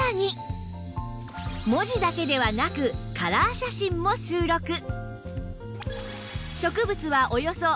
文字だけではなくカラー写真も収録